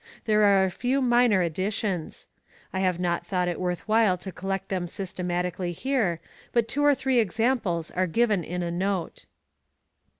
There are a few minor additions. I have not thought it worth while to collect them systematically here, but two or three examples are given in a note.